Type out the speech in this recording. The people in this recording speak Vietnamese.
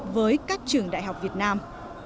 với các trường đại học việt nam